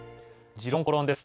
「時論公論」です。